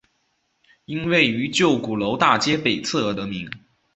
因位于旧鼓楼大街北侧而得名。